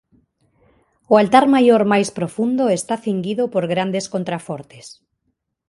O altar maior máis profundo e está cinguido por grandes contrafortes.